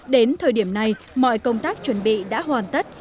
đến thời điểm này mọi công tác chuẩn bị đã hoàn tất